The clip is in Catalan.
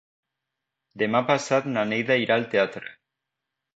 Demà passat na Neida irà al teatre.